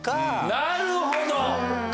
なるほど！